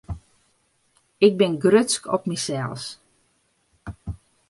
Ik bin grutsk op mysels.